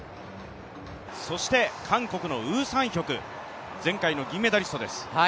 そして韓国のウ・サンヒョク、前回の銀メダリストです。